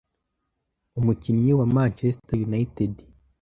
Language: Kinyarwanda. umukinnyi wa manchester united